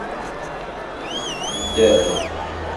Dder!